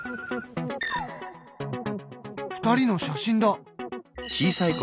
２人の写真だ。